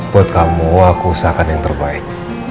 buat kamu aku usahakan yang terbaik